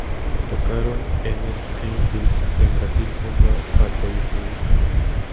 Tocaron en el Creamfields en Brasil junto a Fat Boy Slim.